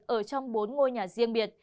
ở trong bốn ngôi nhà riêng biệt